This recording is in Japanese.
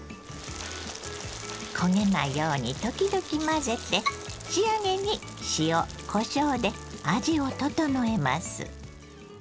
焦げないように時々混ぜて仕上げに塩こしょうで味を調えます。